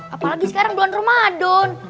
apalagi sekarang bulan ramadan